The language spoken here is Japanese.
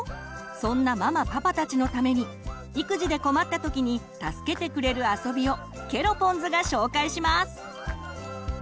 そんなママ・パパたちのために育児で困った時に助けてくれるあそびをケロポンズが紹介します。